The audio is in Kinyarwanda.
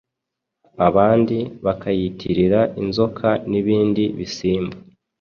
abandi bakayitirira inzoka n’ibindi bisimba